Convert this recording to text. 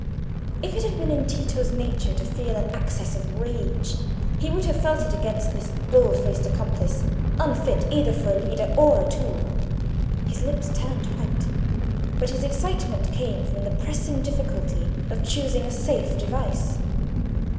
If it had been in Tito's nature to feel an access of rage, he would have felt it against this bull faced accomplice, unfit either for a leader or a tool. His lips turned white, but his excitement came from the pressing difficulty of choosing a safe device.